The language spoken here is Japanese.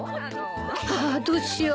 ああどうしよう。